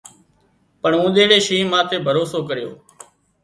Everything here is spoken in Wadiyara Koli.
پڻ اونۮيڙي شينهن ماٿي ڀروسو ڪريو